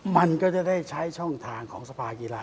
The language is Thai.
มันก็จะได้ใช้ช่องทางของสภากีฬา